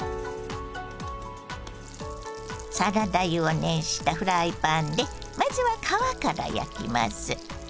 サラダ油を熱したフライパンでまずは皮から焼きます。